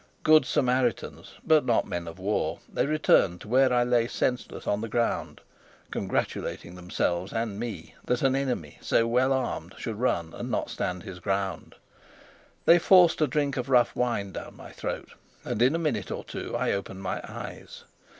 Good Samaritans, but not men of war, they returned to where I lay senseless on the ground, congratulating themselves and me that an enemy so well armed should run and not stand his ground. They forced a drink of rough wine down my throat, and in a minute or two I opened my eyes.